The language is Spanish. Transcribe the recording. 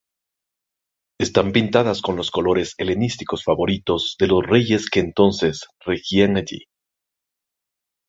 Están pintadas con los colores helenísticos favoritos de los reyes que entonces regían allí.